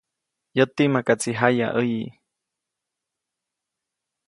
Yäti makaʼtsi jayaʼäyi.